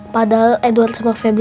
padahal edward sama febri